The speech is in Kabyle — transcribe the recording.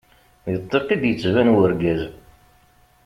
Di ṭṭiq i d-ittban wergaz.